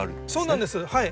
そうなんです。